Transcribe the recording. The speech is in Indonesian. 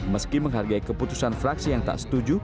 meski menghargai keputusan fraksi yang tak setuju